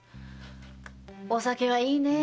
お酒はいいねえ。